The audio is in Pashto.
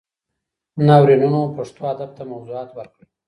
ناورینونو پښتو ادب ته موضوعات ورکړل.